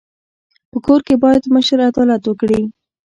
په کور کي بايد مشر عدالت وکړي.